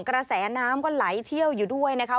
กระแสน้ำก็ไหลเที่ยวอยู่ด้วยนะคะ